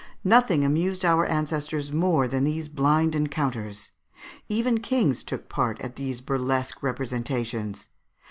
] Nothing amused our ancestors more than these blind encounters; even kings took part at these burlesque representations.